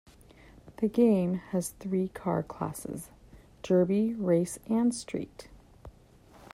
The game has three car classes: derby, race, and street.